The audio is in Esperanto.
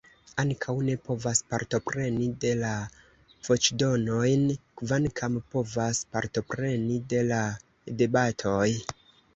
Ankaŭ ne povas partopreni de la voĉdonojn, kvankam povas partopreni de la debatoj.